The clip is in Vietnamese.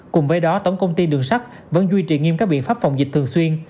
cùng với đó tổng công ty đường sắt vẫn duy trì nghiêm các biện pháp phòng dịch thường xuyên